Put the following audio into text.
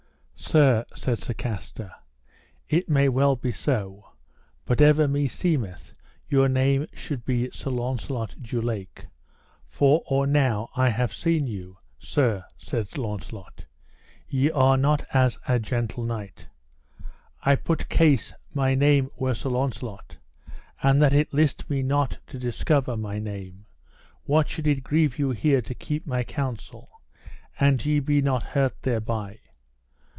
Sir, said Sir Castor, it may well be so, but ever meseemeth your name should be Sir Launcelot du Lake, for or now I have seen you. Sir, said Launcelot, ye are not as a gentle knight: I put case my name were Sir Launcelot, and that it list me not to discover my name, what should it grieve you here to keep my counsel, and ye be not hurt thereby?